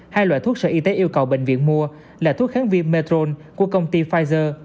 hai loại thuốc sở y tế yêu cầu bệnh viện mua là thuốc kháng viêm metron của công ty pfizer